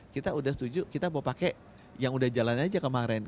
kita udah setuju kita mau pakai yang udah jalan aja kemarin